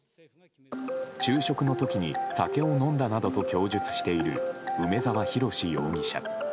昼食の時に酒を飲んだなどと供述している梅沢洋容疑者。